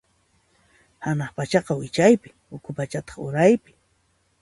Hanaq pachaqa wichaypi, ukhu pachataq uraypi.